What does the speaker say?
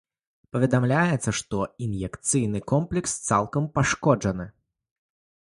Паведамляецца, што ін'екцыйны комплекс цалкам пашкоджаны.